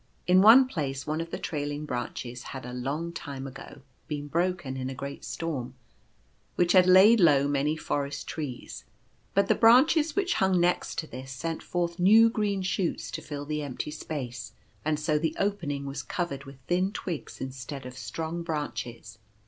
In one place one of the trailing branches had, a long time ago, been broken in a great storm, which had laid low many forest trees; but the branches which hung next to this sent forth new green shoots to fill the empty space, and so the opening was covered with thin twigs instead of strong branches.